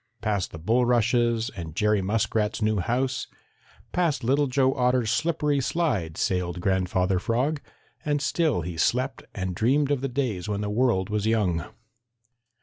Past the bulrushes and Jerry Muskrat's new house, past Little Joe Otter's slippery slide sailed Grandfather Frog, and still he slept and dreamed of the days when the world was young.